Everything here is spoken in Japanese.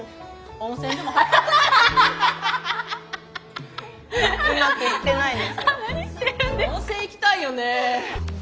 温泉行きたいよね。